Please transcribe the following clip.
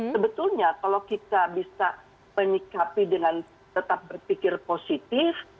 sebetulnya kalau kita bisa menyikapi dengan tetap berpikir positif